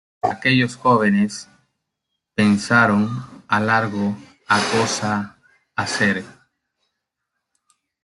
Aquellos "jóvenes" pensaron a largo a cosa hacer.